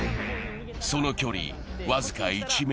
その距離、僅か１ｍ。